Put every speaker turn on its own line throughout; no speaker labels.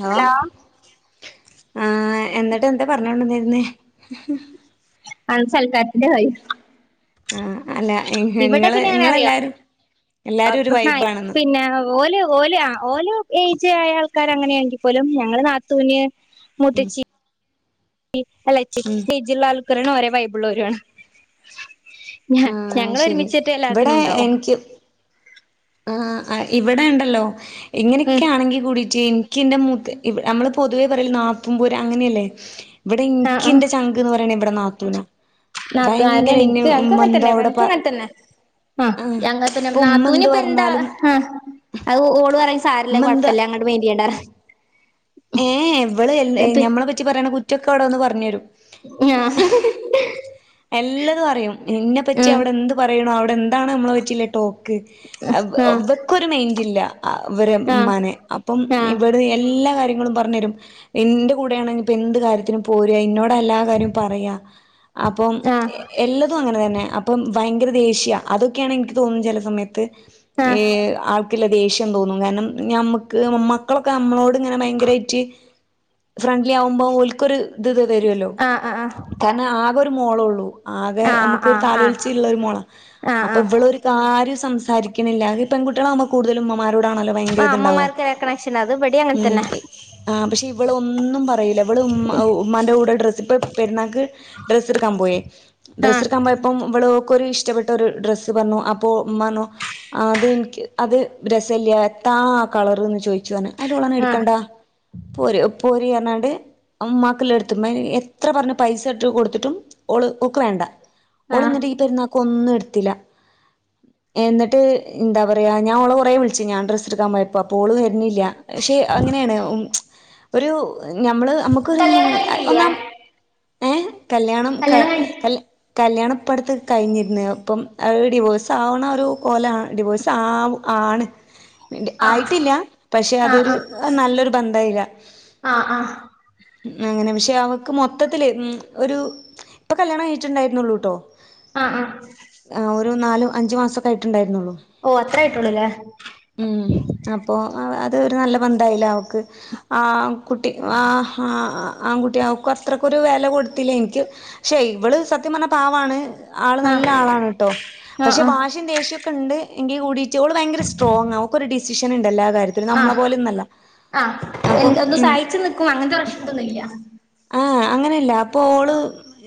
Hello അഹ് എന്നിട്ട് എന്താ പറഞ്ഞോണ്ടന്നായിരു ന്ന
[unintelligible] സൽക്കാരത്തിനുപോയി
ആഹ് അല്ല
ഇവിടെ
നിങ്ങള്
പിന്നെ എങ്ങനെ അറിയോ
നിങ്ങെല്ലാരും
[unintelligible] പിന്നെ ഓല ഓലയാ അഹ് ഓരോ ഏജ് ആയ ആൾക്കർ അങ്ങനെയാണെങ്കിൽ പോലും ഞങ്ങള് നാത്തൂന് മുത്തച്ചി എളേച്ചി
ഉം
ഏജ് ഉള്ള ആൾ കാറും ആണ് ഒരേ ബൈബിൾോരാണ് ഞ
ആ
ഞങ്ങ
ശരി
ഒരുമിച്ചിട്ട് എല്ലാത്തിനും ഉണ്ടാവോ
ആ് ഇവിടെ ഉണ്ടല്ലോ
ഉം
എങ്ങനെയൊക്കെയാണെങ്കിൽ കൂടിയിറ്റ് ഇന്റെത്ത് നമ്മള് പൊതുവേ പറയല്ല നാത്തൂൻ പോര് അങ്ങനെയല്ലേ ഇവിടെ
ആ ആ
ഇന്റെ [unintelligible] [unintelligible] പറയ ഇവിടെ നാത്തൂന
നാത്ത
എന്താ അവിടെ പ
[unintelligible] [unintelligible] തന്നെ
ആ
ആഹ്
ഇപ്പൊ ഉമ്മ
നാത്തൂൻ
എന്ത്
[unintelligible] എന്താ
പറഞ്ഞാലും
ഉം അത് ഓള് പറി സാരല്ലേ
ഉമ്മ എന്താ
കുഴപ്പല്ലേ അങ്ങോട്ട് മേന്ണ്ടണ്ടറ
ഏയ് വള് ഞമ്മളെ പറ്റി പറയണ കുറ്റൊക്കെ അവിടെ ഒന്ന് പറഞ് തരും
ഞ
എല്ലത് അറയും എന്നെപ്പറ്റി
ഉം
അവിടെ എന്ത് പറയണ അവിടെ എന്താണ് നമ്മളെ പറ്റിലെ ടോപ്പ്
ആ
[unintelligible] വെക്ക ഒരു മെയിന്റ്ല്ല അവരെ
ആ
മനെ അപ്പം ഇവിടെ എല്ലാ കാര്യങ്ങളും പറഞ്ഞു തരും എന്റെ കൂടെയാണ് ഇപ്പോ എന്ത് കാര്യത്തിനും പോരയാ ഇന്നോട് എല്ലാ കാര്യം പറയാ അപ്പം
ആ ആ
എല്ലതും അങ്ങനെ തന്നെ അപ്പം ഭയങ്കര ദേഷ്യ അതൊക്കെയാണ് എനിക്ക് തോന്നുന്നത് ചില സമയത്ത്
ആ
ഏയ് ആ ദേഷ്യം തോന്നും കാരണം ഞമ്മുക്ക് മമ്മക്കളൊക്കെ നമ്മളോട് ഇങ്ങനെ ഭയങ്കരമായിട്ട് ഫ്രണ്ട്ലിയാവുമ്പോ ഒല്ക്കോരു ഇത് ത് തരുഅല്ലോ
ആഹ് ആഹ്
കാരണം ആകോരു മോളോള്ളൂ ആകെ
ആഹ്
അമ്മക്കൊര്
ആഹ് ആഹ്
താലോൽച്ച്ള്ളൊരു മോള
ആഹ്
അപ്പൊ
ആഹ്
ഇവളോര് കാര്യോം സംസാരിക്ക്ണില്ല ഈ പെൺകുട്യളാവുമ്പോ കൂടുതല് ഉമ്മമാരോടാണല്ലോ ഭയങ്കര
ആഹ്
ഇത്ണ്ടാവുക
അമ്മമാർക്ക കണക്ഷന അത് ഇവടിം അങ്ങൻതന്നെ
ആഹ് പക്ഷെ ഇവളൊന്നും പറയില്ല ഇവള് ഉമ്മ ഉമ്മാന്റെ കൂടെ ഡ്രസ് ഇപ്പ പെരുന്നാക്ക് ഡ്രസ്സ്ട്ക്കാൻ പോയി
ആഹ്
ഡ്രസ്സ്ട്ക്കാൻ പോയ പ്പം ഇവള് ഓക്കോരു ഇഷ്ടപ്പെട്ടോരു ഡ്രസ്സ് പറ്ന്നു അപ്പോ ഉമ്മറ്ഞ്ഞു അത് ഇൻക്കി അത് രസല്യ എത്താ കളർന്ന് ചോഴിച്ചുഅറിഞ്ഞ് അയിലോളറിഞ്ഞ്
ആഹ്
എടുക്കണ്ടാ പോര് പോരീഅറിഞ്ഞാണ്ട് ഉമ്മാക്ക്ല്ലേട്ത്ത് ഉമ്മെയെത്രപറഞ്ഞ് പൈസ ഇട്ട് കൊടുത്ത് ട്ടും ഓൾ ഓക്ക് വേണ്ട
ആഹ്
ഓള്ന്നിട്ട് ഈ പെരുന്നാക്കോന്നും എടുത്തില്ല എന്നിട്ട് എന്താ പറയ ഞാൻ ഓളെ കോറേ വിളിച്ച് ഞാൻ ഡ്രസ്സ്ട്ക്കാൻ പോയപ്പോ അപ്പോ ഓൾ വരുന്നില്ല ക്ഷെ അങ്ങനെണ് ഉം ഒരു ഞമ്മള് അമ്മക്കൊര്
കല്യാണം
ഒന്നാ
കഴിഞ്ഞിട്ടില്ലേ
ഏഹ് കല്യാണം ക കല് കല്യാണം ഇപ്പട്ത്ത് കഴിഞ്ഞിര്ന്ന് അത്പ്പം അത് ഡിവോഴ്സാവ്ണൊരു കോലം ആണ് ഡിവോഴ്സാ ആണ്
ആഹ്
ആയിട്ടില്ല പക്ഷെ
ആഹ്
അതൊരു
ആഹ്
നല്ലൊരു ബദ്ധായില
ആഹ് ആഹ്
അങ്ങനെ പക്ഷെ അവക്ക് മൊത്തത്തിൽ ഉം ഒരു ഇപ്പകല്യാണം കഴിഞ്ഞിട്ടുണ്ടായിരുന്നുള്ളൂട്ടോ
ആഹ് ആഹ്
ആഹ് ഒരു നാലു അഞ്ച് മാസൊക്കായിട്ട്ണ്ടായിരുന്നുള്ളൂ
ഓ അത്രായിട്ടുള്ളൂല്ലേ
ഉം അപ്പോ അത് ഒരു നല്ല ബന്ധായില്ല അവക്ക് ആഹ് കുട്ടി ആഹാ ആൺകുട്ടി അവക്കു അത്രക്കൊരു വെല കൊടു ത്തില്ല ഇനിക്ക് പക്ഷെ ഇവള് സത്യം പറഞ്ഞ പാവാണ് ആൾ
ആഹ്
നല്ലാ ആളാണ് ട്ടോ
ആഹ്
പക്ഷെ
ആഹ്
വാശി വാശിം ദേഷ്യൊക്കെണ്ട് എങ്കി കൂടിയിറ്റ് ഓള് ഭയങ്കര സ്ട്രോങ്ങാ ഓക്കൊരു ഡിസിഷന്ണ്ട് എല്ലാ കാര്യ
ആഹ് ആഹ്
അപ്പം
എന്ത് എന്തും
ഉം
സഹായിച്ച് നിക്കും അങ്ങൻത്തെ പ്രശ് ഇതോന്നുല്യ
ആഹ് അങ്ങനെയല്ല അപ്പൊള്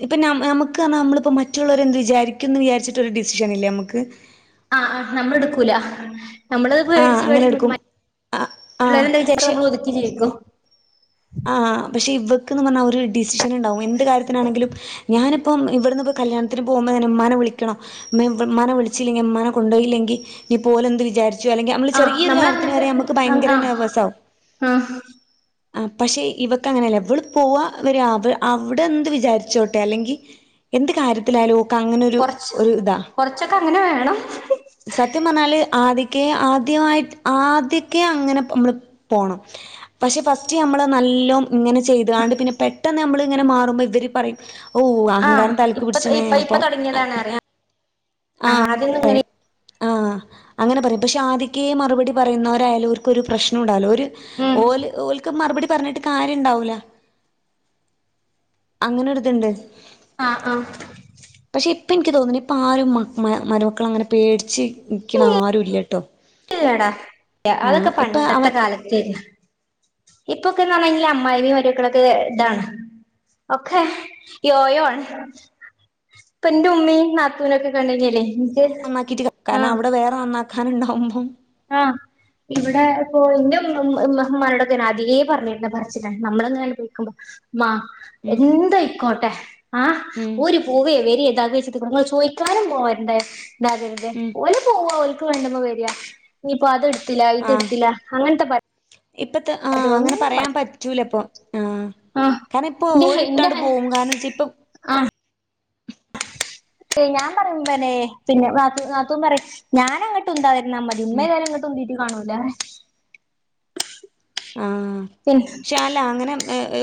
ഇപ്പം ന നമുക്ക് പറഞ്ഞാ നമ്മളിപ്പം മറ്റുള്ളൊരെന്ത് വിചാരിക്കുംന്ന് വിഴാരിച്ചിട്ടൊരു ഡിസിഷന്ല്ലേമ്മക്ക്
ആഹ് ആഹ് നമ്മള്ട്ക്കൂല നമ്മള്
ആഹ്
പേടിച്ച്
അങ്ങനെ
പേടിച്ച് നിക്കും
എടുക്കും ആഹ് ആഹ്
മറ്റുള്ളവരെന്താവിചാരിക്കാ
പക്ഷെ
നമ്മളോതുക്കി ജീവിക്കും
ആഹ് പക്ഷെ ഇവക്ക്ന്ന് പറഞ്ഞാ ഒരു ഡിസിഷന്ണ്ടാവും എന്ത് കാര്യത്തിനാണെങ്കിലും ഞാനിപ്പം ഇവിട്ന്ന്പ്പോ കല്യാണത്തിന് പോവുമ്പോതന്നെ ഉമ്മാനെ വിളിക്കണോ മ്മയും മ്മാനെ വിളിച്ചില്ലെങ്കി മ്മാനെ കൊണ്ടോയില്ലെങ്കി ഇനി പോലെന്ത് വിചാരി ച്ചും അല്ലെങ്കി അമ്മള്
ആഹ്
ചെറിയൊരു കാര്യത്തിന്
നമ്മളങ്ങനത്തെ
വരെ നമ്മക്ക്
ആഹ്
ഭയങ്കര
ആഹ്
നേർവസാവും
ആഹ്
ആഹ് പക്ഷെ ഇവക്കങ്ങനെയല്ല ഇവള് പോവാ വരാ അവ അവിടെന്ത് വിചാരിച്ചോട്ടെ അല്ലെങ്കി എന്ത് കാര്യത്തിലായാലും ഓക്കങ്ങനെരു
കൊറച്ച്
ഒരു ഇതാ
കൊറച്ചൊക്കെ അങ്ങനെ വേണം
സത്യം പറഞ്ഞാല് ആദ്യക്കെ ആദ്യമായി ആദ്യക്കെ അങ്ങനെ നമ്മള് പോണം പക്ഷെ ഫസ് റ്റ് നമ്മള് നല്ലോം ഇങ്ങനെ ചെയ്താണ്ട് പിന്നെ പെട്ടന്നമ്മൾ ഇങ്ങനെ മാറുമ്പോ ഇവര് പറയും ഓ
ആഹ്
അഹങ്കാരം തലക്ക്
ഇപ്പ
പിടിച്ചണ്
ഇപ്പ ഇപ്പ
അപ്പം
തൊടങ്ങിയതാണ് അറിയാം
ആഹ്
ആദ്യൊന്നും ഇങ്ങനെ
പറയും ആഹ് അങ്ങനെ പറയും പക്ഷെ ആദ്യക്കേ മറുപടി പറയുന്നോരായാലും ഓര്ക്കൊരു പ്രശ്നുംണ്ടാവൂല ഓര്
ഉം
ഓല് ഓൽ ക്ക് മറുപടി പറഞ്ഞിട്ട് കാര്യണ്ടാവൂല അങ്ങനൊര്തിണ്ട്
ആഹ് ആഹ്
പക്ഷെ ഇപ്പന്ക്ക് തോന്ണ് ഇപ്പാരുംമ മ മരുമക്കളങ്ങനെ പേടിച്ച് ഇരിക്ക്ണാരും ഇല്യട്ടോ
ഇല്ലടാ അതൊക്കെ പണ്ടത്തെ
അവൻ
കാലത്തെ ഇപ്പൊക്കെന്ന് പറഞാൽ അമ്മായിമ്മയും മരുമക്കളൊക്കെ ഇതാണ് ഒക്കെ യോയോ ആണ് ഇപ്പൊ എന്റെ ഉമ്മയും നാത്തൂനൊക്കെ കണ്ടെങ്കിൽ
നന്നാക്കിട്ട് കാരണം അവിടെ വേറെ നന്നാക്കാനുണ്ടാവുമ്പോ
ആഹ് ഇവ്ടെ ഇപ്പോ ഇന്റെ ഇമ്മമ് ഇമ്മ ഇമ്മാനോടൊക്കെ ഞാനെ ആദ്യേ പറഞ്ഞിര്ന്ന പറച്ചിലാണ് ന്നമ്മള് ഇങ്ങനെ അനുഭവിക്കുമ്പോ മ
ഉം
എന്തയിക്കോട്ടെ ആഹ്
ഉം
ഓര് പൂവയേ വരിയോ എന്താന്ന് വച്ചിട്ട് നിങ്ങൾ ചോദിക്കാനും പോവാണ്ട എന്താരുത്
ഉം
ഓല് പോവാ ഓൽക്ക് വേണ്ടുമ്മ വെരാ ഇഞ്ഞിപ്പോ അത്ട്ത്തില
ആഹ്
ഇത്ട്ത്തില അങ്ങൻത്തെ പർ
ഇപ്പത്തെ ആഹ് അങ്ങനെ പറയാൻ പറ്റൂലിപ്പൊ ആഹ്
ആഹ്
കാരണം ഇപ്പൊ
എന്റെ എന്റെ
ഒരിട്ടാണ്ട് പോവും കാരണം വെച്ചാ ഇപ്പം
ആഹ് ദ് ഞാൻ പറയുമ്പന്നെ പിന്നെ ന്നാത്തൂ ന്നാത്തൂൻ പറിം ഞാന അങ്ങട്ട് ഉന്താതിര്ന്നാ മതി ഉമ്മ എതായാലും ഇങ്ങട്ട്. ഉന്തീറ്റ് കാണൂല പറയും
ആഹ് പക്ഷെ അല്ല അങ്ങനെ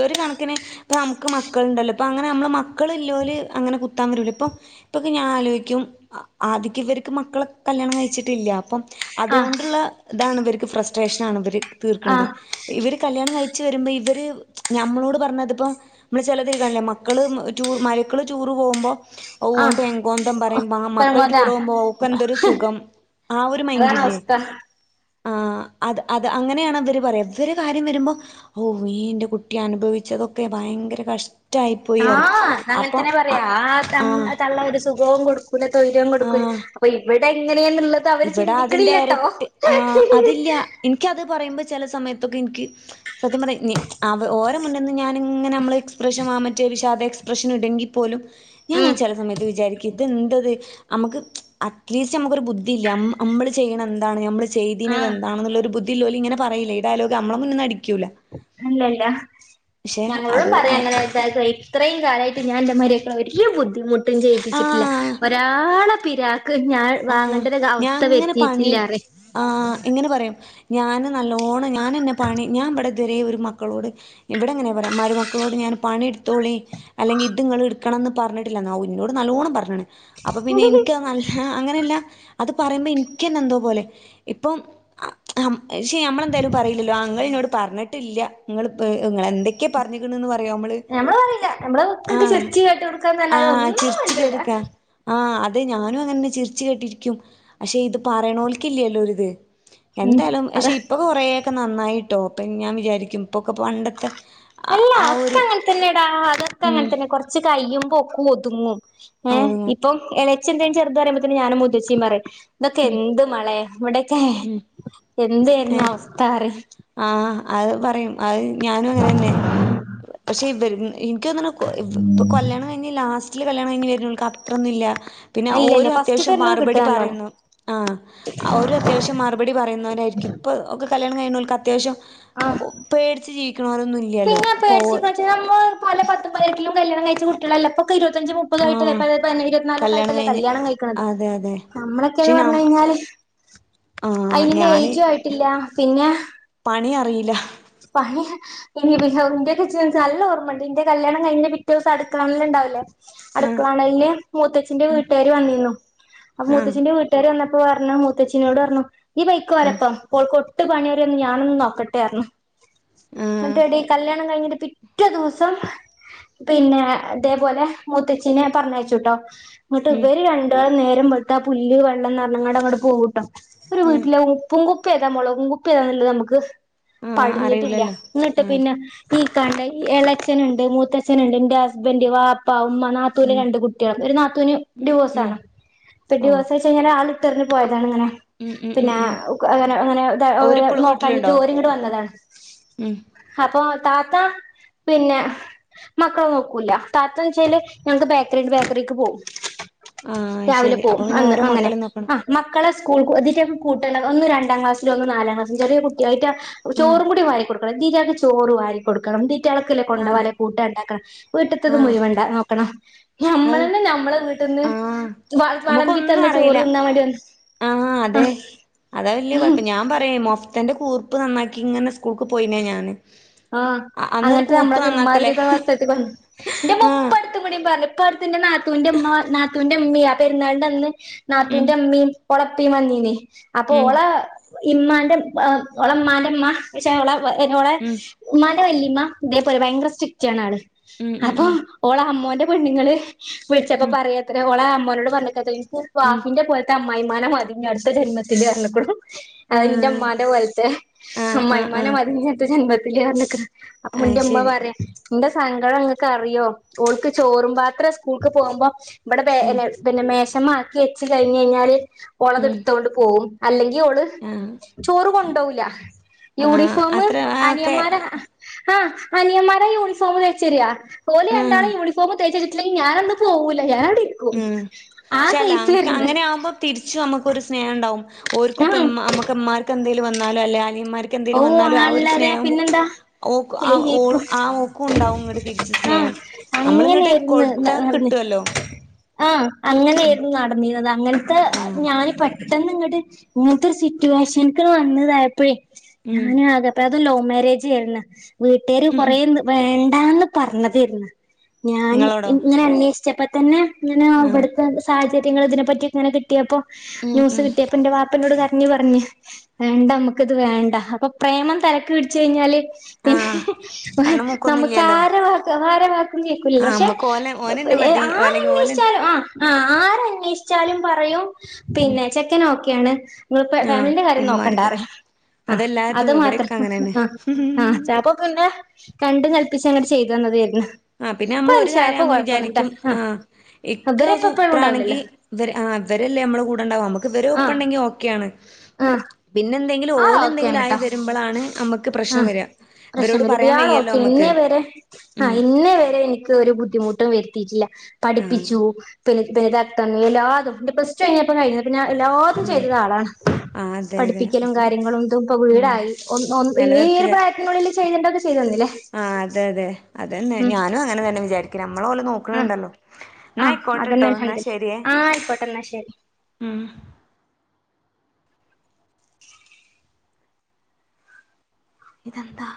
ഒരു കണക്കിന് ഇപ്പ അമക്ക് മക്കള്ണ്ടല്ലോ ഇപ്പൊ അങ്ങനെ ന്നമ്മള് മക്കള് ഇല്ലോല് അങ്ങനെ കുത്താൻ വരൂല ഇപ്പൊ. ഇപ്പൊക്കെ ഞാൻ ആലോയ്ക്കും ആദ്യോക്കെ ഇവര്ക്ക് മക്കളോക് കല്യാണം കഴിച്ചിട്ടില്ല അപ്പം.
ആഹ്
അതോണ്ടുള്ള ഇതാണ് ഇവർക്ക് ഫ്രസ്ട്രേഷനാണ് ഇവര് തീർക്ക്ണത്.
ആഹ്
ഇവര് കല്യാണം കഴിച്ച് വരുമ്പോ ഇവര് ഞമ്മളോട് പറഞ്ഞതിപ്പം നമ്മൾ ചെല്തെക്കെ മക്കള് റ്റൂർ മര്യക്കള് റ്റൂറ് പോവുമ്പോ. ഓഹ് ഓൻ
ആഹ്
പെൻങ്കോന്തൻ പറയുമ്പ ആഹ് മക്കൾ
പെറുങ്ങോത്ത
ടൂറോവുമ്പോ ഓൾക്ക് എന്തൊരു സുഖം ആഹ് ഒരു
അതാണ്
മൈൻഡില്ലേ
അവസ്ഥ
ആഹ് അത് അത് അങ്ങനെയാണ് അവര് പറയാ മറ്റൊരു കാര്യം വരുമ്പോ ഓ മേ ഇന്റെ കുട്ടി അനുഭവിച്ചതൊക്കെ ഭയങ്കര കഷ്
ആഹ് അങ്ങൻ തന്നെ പറയാ ആ
ആഹ്
തള്ള തള്ള ഒരു സു സുഖവും കൊടുക്കൂല ത്വയ്ര്യവും കൊടുക്കൂല
ആഹ്
അപ്പൊ ഇവിടെ ഇങ്ങനെയന്നുള്ളത് ത അവര്
ഇവിടെ അതിന്റെ
ചിന്തിക്ക്ണില്ലട്ടോ.
ഇൻക്ക്ത് പറയുമ്പോ ചെല സമയത്തൊക്കെ ഇൻക്ക്. സത്യം പറഞ്ഞ നി അവ ഓര മുന്ന്ന്ന് ഞാനിങ്ങനെ നമ്മള് എക്സ്പ്രഷൻ വാൻ മറ്റേ ഷാദ എക്സ്പ്രഷൻ ഇടങ്കി പോലും ഞാങ്ങനെ ചെല സമയത്ത് വിചാരിക്കും ഇത് എന്താത് നമുക്ക് അറ്റ്ലീസ്റ്റ് ഞമ്മക്കൊരു ബുദ്ധി മ്മള് ചെയ്യണ എന്താണ് നമ്മള് ചെയ്തീനത്
ആഹ്
എന്താണെന്നുള്ള ഒരു ബു ദില്ലോലിങ്ങനെ പറയില്ലേ ഈ ഡയലോഗ് അമ്മള മുന്നിന്ന് അടിക്ക്യൂലാ
ഇല്ലല്ല ഞങ്ങളോടും
അത്
പറയ അങ്ങനെ. താത്ത ഇത്രയും കാലായ്റ്റ് ഞാൻ ഇജ്ജെ മരുമക്കളെ ഒര് ബുദ്ധിമുട്ടും ചെയ്യിപ്പിച്ചിട്ടില്ല.
ആ
ഒരാളെ പിരാക്ക് ഞാൻ
ആഹ്
വാങ്ങേണ്ട ഒര്
ഞാൻ
അവസ്ഥ
അങ്ങനെ പണി
വരുത്തിയിട്ടില്ല പറെയ്
ആഹ് ഇങ്ങനെ പറയും ഞാൻ നല്ലോണം ഞാനെന്നെ പണി ഞാൻ ഇപടെതുവരെ ഒരു മക്കളോട് ഇവിടെങ്ങനെ പറയാ മരുമക്കളോട് ഞാൻ പണിട്ത്തോളി അല്ലെങ്കി ഇത്ങ്ങള് ഇട്ക്കണംന്ന് പറഞ്ഞിട്ടില്ലന്ന് ആവു ഇന്നോട് നല്ലോണ്ണം പർഞ്ഞിക്ക്ണ് അപ്പൊ പിന്നെ ഇൻക്ക് അത് നല്ല എല്ലാ അത് പറയ്മ്പോ ഇൻക്കെന്നെ എന്തോ പോലെ ഇപ്പം ആ അം ശെ ന്നമ്മളെന്തായാലും പറയില്ലല്ലോ ആഹ് ഇങ്ങൾ ഇന്നോട് പർഞ്ഞിട്ടില്ല ഇങ്ങള് പേ ഇങ്ങള് എന്തേ ക്കെ പർഞ്ഞ്ക്ക്‌ണ്ന്ന് പറയോ അമ്മള്
ഞമ്മള് പറയില്ല നമ്മള് മക്കൾക്ക്
ആഹ്
ചിരിച്ച് കാട്ടി കൊടുക്കാന്നല്ലാതെ
ആഹ്
ഒന്നും
ചിർച്ച്
മിണ്ടൂല
കേട്ട്ക്ക. ആഹ് അതെ ഞാനും അങ്ങനെ തന്നെ ചിരിച്ച് കേട്ടിരിക്കും. പക്ഷെ ഇത് പറയണോൽക്ക് ഇല്ലല്ലോ ഒരിത്
ഉം
എന്തായാലും പഷെ
അതാ
ഇപ്പൊ കൊറെയോക്കെ ന്നന്നായിട്ടോ അപ്പൊ ഞാൻ വിചാരിക്കും ഇപ്പൊക്കെ പണ്ടത്തെ ആ
അല്ല
ആ
ഒക്കെ
ഒരു
അങ്ങൻ തന്നെടാ അതൊക്കെ
ഉം
അങ്ങൻതന്നെ കൊർച്ച് കയിമ്പൊ ഒക്കെ ഒതുങ്ങും. ഏഹ്
ഒതുങ്ങും
ഇപ്പൊം എളച്ചി എന്തേം ചെറുത് പറയുമ്പത്തന്നെ ഞാനും മൂത്തച്ചിം പറയും ഇതൊക്കെ എന്ത് മാളെ ഇവടെക്കെ എന്തെര്ന്നു
ഏഹ്
അവസ്ഥ അറിയോ?
ആഹ് അത് പറയും അത് ഞാനും അങ്ങനെ തന്നെ പക്ഷെ ഇൻക്ക് തോന്നണു ഇപ്പൾ കല്യാണം കഴിഞ്ഞ് ലാസ്റ്റില് കല്യാണം കഴിഞ്ഞ് വരന്നോൽക്ക് അത്രൊന്നും ഇല്ല പിന്നെ
ഇല്ലല്ല
ഓരു അത്യാവശ്യം
ഫസ്റ്റ്ത്തെല്ലാം കിട്ടും
മറുപടി
നല്ലോണം
പറയുന്നു ആ ഓരു അത്യാവശ്യം മറുപ പടി പറയുന്നവരായിരിക്കും ഇപ്പൊ ഒക്കെ കല്യാണം കഴിണോൽക്ക് അത്യാവശ്യം
ആഹ്
പേടിച്ച് ജീവിക്ക്ണോരൊന്നും
പിന്നെ പേടിച്ചിക്കച്ച് നമ്മള് പല പത്ത് പതിനെട്ടിലും കല്യാണം കഴിച്ച കുട്ടികളല്ല ഇപ്പോക്കെ ഇരുപത്തഞ്ച് മു പ്പത് ആയിട്ടല്ലേ
ആഹ്
പലരും അതന്നെ ഇരുപത്തിനാലൊക്കെ ആയിട്ടല്ലേ കല്യാണം കഴിക്കണത്
അതെ അതെ
ഉം
പക്ഷെ
നമ്മളൊക്കെന്ന്
ഞാ
പറഞ്ഞ് കഴിഞ്ഞാല്
ആഹ്
അയിനുള്ള
ഞാന്
ഏജും ആയിട്ടില്ല പിന്നെ
പണി അറിയില്ല
പണി അഹ് ഇനിപ്പി ഹൗ ഇൻ്റെ കിച്ചനിച്ച് നല്ല ഓർമ്മണ്ട് ഇൻ്റെ കല്യാണം കഴിഞ്ഞ് പിറ്റേ ഊസം അടുക്കളാണലുണ്ടാവില്ലേ
ആഹ്
അടുക്കളാണലിന് മൂത്തച്ഛന്റെ വീട്ടുകാര് വന്നിനു അപ്പോ
ആഹ്
മൂത്തച്ഛന്റെ വീട്ടുകാര് വന്നപ്പോ പറഞ്ഞു മൂ ത്തച്ചിനോട് പറഞ്ഞു ഇയ്യ് പൊയ്ക്കോ
ഉം
ഓലൊപ്പം ഓൾകൊട്ട് പണിയറിയോന്ന് ഞാനൊന്നു നോക്കട്ടെറഞ്ഞു
ആഹ്
ന്ന്ട്ടെടി കല്യാണം കഴിഞ്ഞിന്റെ പിറ്റേ ദൂസം പിന്നെ ഇതേപോലെ മൂത്തച്ചീനെ പറഞ്ഞയച്ചൂട്ടോ ഇന്നിട്ട്
ഉം
ഇവര് രണ്ടാളും നേരം വെളുത്ത പുല്ല് വെള്ളം ന്നറഞ്ഞങ്ങടങ്ങട് പോവും ട്ടോ ന്നിട്ട്
ഉം
വീട്ടിലെ ഊ പ്പുംകുപ്പി ഏതാ മൊളകും കുപ്പി ഏതാന്ന്ള്ളത് നമ്മുക്ക്
ആഹ്
പഠിഞ്ഞിട്ടില്ല
അറിയൂലല്ലോ
ഇന്നിട്ട്
ആഹ്
പിന്നെ ഈ കണ്ട ഈ എളച്ഛൻ ഇണ്ട് മൂത്തച്ഛനുണ്ട് ന്റെ ഹസ്ബൻഡ് വാപ്പ ഉമ്മ നാ ത്തൂന്
ഉം
രണ്ട് കുട്ട്യാള് ഒരു നാത്തൂന്
ഉം
ഡിവോഴ്സാണ് ഇപ്പ
ഓഹ്
ഡിവോഴ്‌സ് ച്ച് ആളിട്ടെറിഞ്ഞ് പോയതാണ് ഇങ്ങനെ
ഉം ഉം ഉം
പിന്നെ അ
ഉം
ഉക്ക് അങ്ങനെ അങ്ങനെ ത് ഓര്
ഓരിപ്പളും
നോക്കാഞ്ഞിട്ട്
വീട്ടിലുണ്ടോ
ഓര് ഇങ്ങട് വന്നതാണ്
ഉം
അപ്പൊ താത്ത പിന്നെ മക്കളെ നോക്കൂല താത്തന്ന്ച്ചാല് ഞങ്ങക്ക് ബേക്കറിണ്ട് ബേക്കറിക്ക് പോവും
ആഹ്
രാവിലെ
ശരി അപ്പൊ
പോവും
പിന്നെ
അന്ന്
ഓരോ
അങ്ങനെ
മക്കളേം നോക്കണം
ആഹ് മക്കളെ സ്‌കൂളക്ക് ഇതിൻ്റെ കൂട്ടണ്ട ഒന്ന് രണ്ടാംക്ലാസ്സിലും ഒന്ന് നാലാം ക്ലാസിലും ചെറിയ കുട്ടി അയ്റ്റ
ഉം
ചോറും കൂടി വാരി കൊടുക്കണം തീറ്റാക്ക് ചോറ് വാരി കൊടുക്കണം തീ റ്റങ്ങൾക്ക്ള്ള
ആഹ്
കൊണ്ടവാള്ള കൂട്ടാൻ ഇണ്ടാക്കണം വീട്ടിത്തത്
ആഹ്
മുഴുവൻ നോക്കണം
അത്
ഞമ്മളന്നെ ഞമ്മള വീ ട്ട്ന്ന്
ആഹ്
വെ വെളമ്പി
നമുക്കൊന്നും
തന്നാ
അറിയില്ല
ചോറുണ്ണാൻ വേണ്ടി വന്ന്
ആഹ് അതെ അതാ വല്ല്യ കൊഴപ്പം ഞാൻ പറയും മൊഫതന്റെ കൂർപ്പ് നന്നാക്കി ഇങ്ങനെ സ് കൂൾക്ക് പോയിനെ ഞാന്
ആഹ്
അന്നൊരു
അങ്ങനത്തെ
കൂർപ്പ്
നമ്മളക്കെ
നന്നാക്കലേ
ഇമാതിരിക്കള്ള സ്ഥലത്തിക്ക് വന്ന് ൻ്റെ ഉമ്മ
ആഹ്
പ്പടു ത്ത്കൂടി പറഞ്ഞ് ഇപ്പൊ അടുത്ത്ൻ്റെ നാത്തൂന്റെ ഉമ്മ വ നാത്തൂന്റെ ഉമ്മ്യ പെരുന്നാളിന്റെ അന്ന്
ഉം
നാത്തൂന്റെ ഉമ്മിം ഓള ഉപ്പിം വന്നിനിം അപ്പൊ
ഉം
ഓള ഇമ്മാന്റെ എഹ് ഓളമ്മാന്റെ ഉമ്മ റ്റഓളെ വ എഹ്
ഉം
ഉമ്മാൻ്റെ വല്ലിമ്മ ഇതേപോലെ ഭയങ്കര സ്ട്രിക്ട് ആണ് ആള്
ഉം ഉം
അപ്പൊ
ഉം
ഓള അമ്മോന്റെ പെണ്ണുങ്ങള് വിളിച്ചപ്പോ
ഉം
പറയാത്രേ ഓളെ അമ്മനോട് പറഞ്ഞ്ക്കാത്ര എനിക്ക്
ഉം
റാഫിന്റെ പോൽ ൽത്തെ അമ്മായിമ്മാനെ മതി ഞി അടുത്ത ജന്മത്തില് പറഞ്ഞുക്കുണു ആഹ് ന്റെ ഉമ്മാൻ്റെ പോലത്തെ
ആഹ്
അമ്മായി
ആഹ് ആഹ്
ത്ത ജന്മത്തില് പറഞ്ഞുക്കുണു അപ്പ
ആഹ്
ൻ്റെ ഉമ്മ
ശരി
പറയാ ന്റെ സങ്കടം ഇങ്ങക്ക് അറിയോ ഓൾക്ക് ചോറും പാത്രം സ്കൂൾക്ക് പോവുമ്പോ ഇവിടെ ബേ
ഉം
ലെ പിന്നെ മേശമ്മെ ആക്കി വെച്ച് കഴിഞ്ഞ് കഴിഞ്ഞാല് ഓളത്
ഉം
എടുത്തോണ്ട് പോവും അല്ലെങ്കിൽ ഓള്
ആഹ്
ചോറ് കൊണ്ടോവുല്ല
ആഹ്
യൂണിഫോമ്
അത്ര ആ ഒക്കെ
അനിയന്മാര് അഹ് ആഹ് അനിയന്മാരാ യൂണിഫോമ് തേച്ച്യരാ ഓല്
ഉം
രാണ്ടാളും യൂണിഫോമ് തേചെച്ചിട്ട് ല്ലെങ്കി ഞാൻ അന്ന് പോവൂല ഞാനടിരിക്കും
ഉം
ആ സൈസായിരുന്ന്
തിരിച്ചും നമ്മുക്കൊരു സ്നേഹ ണ്ടാവും. ഓര്ക്കും
ഉം
പ്പം മ്മാ അമ്മക്ക് മ്മാര്ക്കെന്തേലും വന്നാലൊ അല്ലെ അനിയന്മാര്
ഓ
ക്കെന്തേലും വന്നാലും ആ ഒരു
അങ്ങനല്ലാതെ
സ്നേഹം
പിന്നെന്താ
ഓക്ക് ആ ഓളും ആ ഓക്കും ണ്ടാവും ങ്ങട്ട് തിരിച്ച്
ആഹ്
സ്നേഹം അമ്മളിങ്ങട്ട്
അങ്ങനെയായിരുന്നു
കൊടുത്താ
നടന്ന്
കിട്ടുവല്ലോ
ആഹ് അങ്ങനെയിരുന്നു നടന്നീ നത് അങ്ങൻത്തെ
ആഹ്
ഞാനി പെ ട്ടെന്ന് ങ്ങട് ങ്ങൻ ത്തൊരു സിറ്റുവേഷൻക്ക് വന്ന്തായപ്പഴേ
ഉം
ഞാനു [unintelligible] അതും ലൗ മാരേജ് ആരുന്ന് വീട്ടുകാര് കൊറെ നിർ വരണ്ടാന്ന് പറഞ്ഞതേർന്ന് ഞാന്
നിങ്ങളോടോ
ഇങ്ങനന്വേഷിച്ചപ്പ തന്നെ ഇങ്ങനെ
ആഹ്
വടത്തെ സാഹചര്യങ്ങളിതിനെപ്പറ്റിക്കെ ങ്ങനെ കിട്ടിയപ്പോ
ഉം
ന്യൂസ്
ഉം
കിട്ട്യാ പ്പന്റെ വാപ്പന്നോട് കരഞ്ഞ് പർഞ്ഞ് വേണ്ടമ്മുക്കിത് വേണ്ട പ്പൊ പ്രേമം തലക്ക് പിടിച്ച് കഴിഞ്ഞാല്
ആഹ്
പിന്നെ
കണ്ണും മൂക്കൊന്നും ഇല്ലല്ലോ
നമുക്കാരെ വർ ത്ത ആരെ വാക്കും കേക്കൂലല്ലോ
ആഹ്
പക്ഷെ
അമ്മക്ക് ഓലെ
പ പ
ഓനന്നെ മതി ഓലെ ഓലൻ
ആരന്നേഷിച്ചാലും ആഹ്. ആഹ് ആരന്ന്വേഷിച്ചാലും പറയും പിന്നെ ചെക്കനോ ക്കെയാണ്. ങ്ങൾപ്പോ
ആഹ്
ഫാമിലിന്റെ കാര്യം
ഇമ്മാർക്ക്
നോക്കണ്ടറിയും ആഹ്
അതെല്ലാര്തും
അത് മാത്രം
ഇവിടെക്കെ അങ്ങനെന്നെ
ആഹ് ആഹ്. [unintelligible] പിന്നെ രണ്ടും കൽപ്പിച്ചങ്ങട്ട് ചെയ്തന്നതേര്ന്നു.
ആഹ് പിന്നെ അമ്മളൊരു കാര്യം അമ്മൾ വിജാരിക്കും
ആ
ആഹ് ഇക്ക
ഇവരിപ്പ എപ്പഴും
സൂപ്പ്റാണെങ്കി.
ഉണ്ടാവില്ലല്ലോ
വര് ആഹ് വരല്ലേ അമ്മളെ കൂടെ ണ്ടാവ അമ്മക്ക്
ആ
വരൊപ്പണ്ടെങ്കി ഓക്കെയാണ് പിൻ
ആളോക്കെയാണ് ട്ടോ
നമ്മക്ക് പ്രശ്നം
ആഹ്
വര
പ്രശ്നം
ഇവരോട് പറയാൻ വയ്യല്ലോ
വരുമ്പയാളോക്കെയാ
നമ്മക്ക്
ഇന്നേവരെ. ആഹ്
ഉം
ഇന്നേ വരെ എനിക്ക് ഒരു ബുദ് ദ്ധിമുട്ടും വരുത്തിറ്റില്ല.
ആഹ്
പഠിപ്പിച്ചു പിന്നെ [unintelligible] എല്ലാതും ന്റെ പ്ലസ് റ്റു കഴിഞ്ഞപ്പ കഴിഞ്ഞാ പിന്നെ എല്ലാതും
ആഹ്
ചെയ്തതാളാണ്
ആഹ് അതെ അതെ
പഠിപ്പി ലും
അപ്പം
കാര്യങ്ങളും തും പ്പൊ
ഉം
വീടായി ഒൻ ഒൻ ഇ ഈ ഒരു
നിലനിർത്തിത
പ്രായത്തിനുള്ളില് ചെയ്യണ്ടത് ചെയ്തു തന്നിലേ.
ആഹ് അതെ അതെ അതന്നെ ഞാനും അങ്ങനെ തന്നെ വിജാരിക്ക്ണ് നമ്മളെ ഓല് നോക്ക്ണ് ണ്ടല്ലോ.
ആഹ് അതെന്നെ അൽഹംദ് ആയിക്കോട്ടന്നാ ശെരി.
ഊം. ഇതെന്താ?